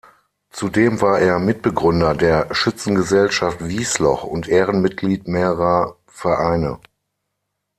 Zudem war er Mitbegründer der Schützengesellschaft Wiesloch und Ehrenmitglied mehrerer Vereine.